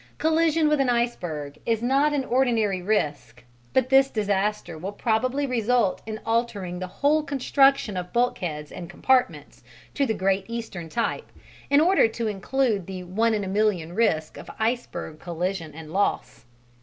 Collision with an iceberg is not an ordinary risk; but this disaster will probably result in altering the whole construction of bulkheads and compartments to the Great Eastern type, in order to include the one in a million risk of iceberg collision and loss.